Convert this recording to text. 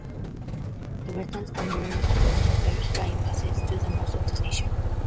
The Western standard gauge line passes to the north of the station.